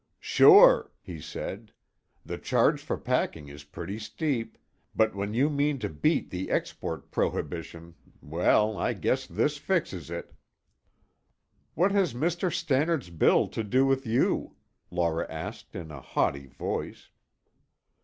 "Sure!" he said. "The charge for packing is pretty steep; but when you mean to beat the export prohibition Well, I guess this fixes it!" "What has Mr. Stannard's bill to do with you?" Laura asked in a haughty voice.